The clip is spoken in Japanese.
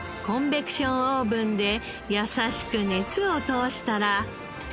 コンベクションオーブンで優しく熱を通したら。